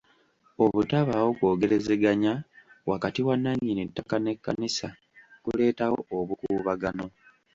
Obutabaawo kwogerezeganya wakati wa nnannyini ttaka n'ekkanisa kuleetawo obukuubagano.